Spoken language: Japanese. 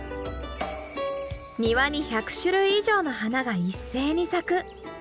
庭に１００種類以上の花が一斉に咲く。